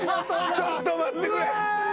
ちょっと待ってくれ！